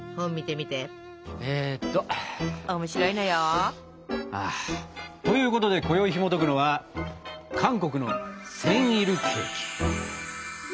面白いのよ。ということでこよいひもとくのは「韓国のセンイルケーキ」。